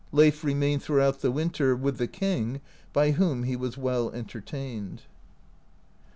Leif remained throughout the winter with the king, by whom he was well entertained.